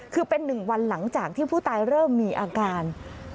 คือเป็น๑วันหลังจากที่ผู้ตายเริ่มมีอาการ